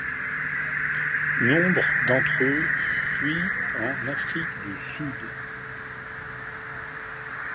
Nombre d'entre eux fuient en Afrique du Sud.